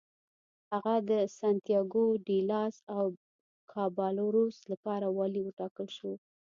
هغه د سنتیاګو ډي لاس کابالروس لپاره والي وټاکل شو.